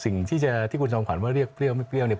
สิ่งที่คุณจอมขวัญว่าเรียกเปรี้ยวไม่เปรี้ยวเนี่ย